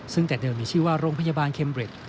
ซึ่งแต่เดิมมีชื่อว่าโรงพยาบาลเมริต